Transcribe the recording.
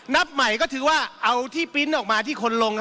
นับใหม่ก็ถือว่าเอาที่ปริ้นต์ออกมาที่คนลง